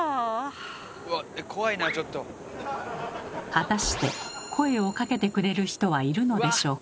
果たして声をかけてくれる人はいるのでしょうか？